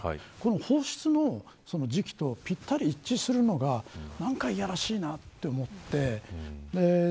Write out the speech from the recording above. この放出の時期とぴったり一致するのが何かいやらしいなと思って。